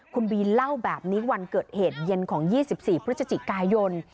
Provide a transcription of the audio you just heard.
คุณบีเล่าแบบนี้วันเกิดเหตุเย็นของ๒๔พฤศจิกายน